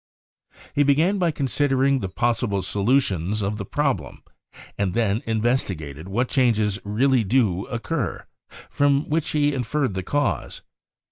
He began by considering the possible solutions of the problem, and then investigated what changes really do occur, from which he inferred the cause.